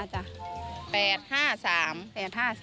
๓๕จ้ะ